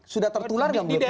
sudah tertular nggak menurut anda